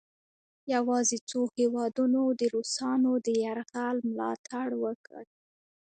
یواځې څو هیوادونو د روسانو د یرغل ملا تړ وکړ.